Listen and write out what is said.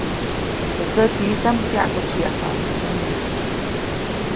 Teʼ tsäkiʼstaʼm kyaʼkutsiʼyajpaʼuŋ teʼ pändaʼm.